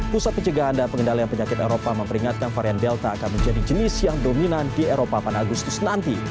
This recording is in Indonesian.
pusat pencegahan dan pengendalian penyakit eropa memperingatkan varian delta akan menjadi jenis yang dominan di eropa pada agustus nanti